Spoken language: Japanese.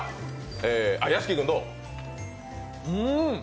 屋敷君、どう？